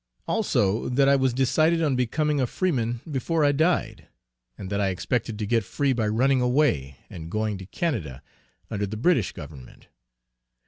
Also that I was decided on becoming a freeman before I died; and that I expected to get free by running away, and going to Canada, under the British Government.